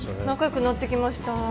仲よくなってきました。